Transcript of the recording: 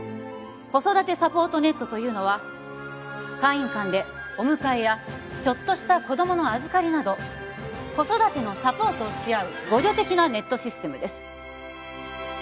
子育てサポートネットというのは会員間でお迎えやちょっとした子供の預かりなど子育てのサポートをし合う互助的なネットシステムです